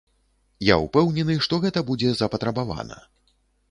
Я ўпэўнены, што гэта будзе запатрабавана.